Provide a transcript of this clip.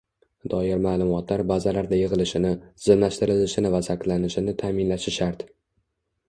doir ma’lumotlar bazalarida yig‘ilishini, tizimlashtirilishini va saqlanishini ta’minlashi shart.